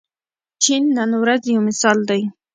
چین نن ورځ یو مثال دی.